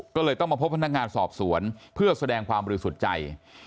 ก็เลยต้องมาพบพนักงานสอบสวนเพื่อแสดงความบริสุทธิ์ใจ